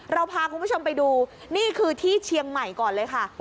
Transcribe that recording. เราพาคุณผู้ชมไปดูนี่คือที่เชียงใหม่ก่อนเลยค่ะ